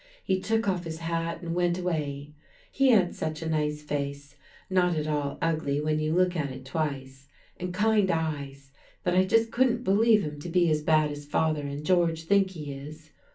He took off his hat and went away. He had such a nice face not at all ugly when you look at it twice and kind eyes, that I just couldn't believe him to be as bad as father and George think he is.